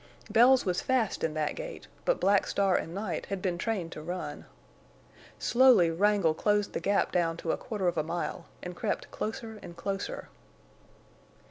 Bells was fast in that gait, but Black Star and Night had been trained to run. Slowly Wrangle closed the gap down to a quarter of a mile, and crept closer and closer.